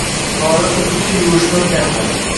Noiloj oʻzim kir yuvishni oʻrgandim.